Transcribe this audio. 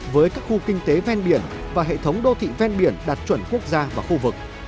với các khu kinh tế ven biển và hệ thống đô thị ven biển đạt chuẩn quốc gia và khu vực